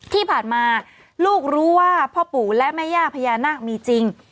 ที่ผ่านมาลูกรู้ว่าพ่อปู่และแม่ย่าพญานาคมีจริง